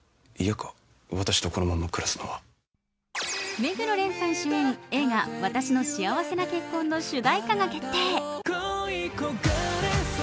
目黒蓮さん主演映画「わたしの幸せな結婚」の主題歌が決定。